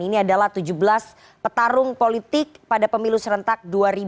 ini adalah tujuh belas petarung politik pada pemilu serentak dua ribu dua puluh